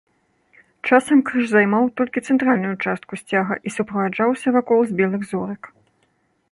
Часам крыж займаў толькі цэнтральную частку сцяга і суправаджаўся вакол з белых зорак.